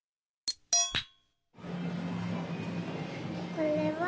これは。